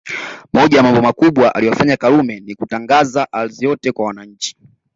Moja ya Mambo makubwa aliyoyafanya Karume Ni kutangaza ardhi yote kwa wananchi